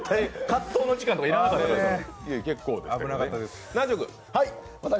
葛藤の時間とか要らなかったですよ。